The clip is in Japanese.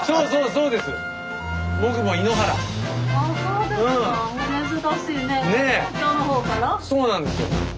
そうなんですよ。